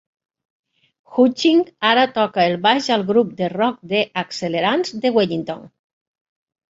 Hutching ara toca el baix al grup de rock The Accelerants, de Wellington.